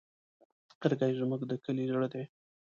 لرګی زموږ د کلي زړه دی.